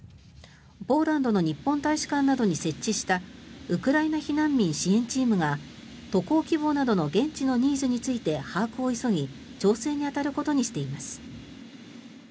ポーランドの日本大使館などに設置したウクライナ避難民支援チームが渡航希望などの現地のニーズについて把握を急ぎ調整に当たることにしています。